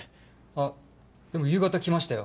あっでも夕方来ましたよ。